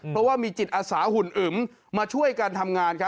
เพราะว่ามีจิตอาสาหุ่นอึ๋มมาช่วยกันทำงาน